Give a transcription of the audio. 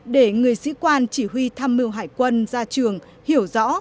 để người sĩ quan chỉ huy thăm mưu hải quân ra trường hiểu rõ